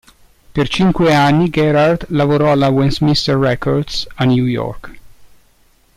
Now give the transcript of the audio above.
Per cinque anni Gerhardt lavorò alla Westminster Records a New York.